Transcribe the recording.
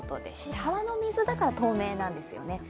川の水だから透明なんですよね。